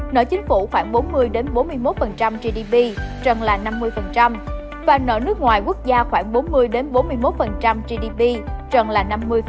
nợ chính phủ khoảng bốn mươi bốn mươi một gdp rằng là năm mươi và nợ nước ngoài quốc gia khoảng bốn mươi bốn mươi một gdp rằng là năm mươi